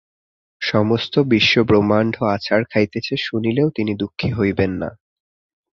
সমস্ত বিশ্বব্রহ্মাণ্ড আছাড় খাইতেছে শুনিলেও তিনি দুঃখী হইবেন না।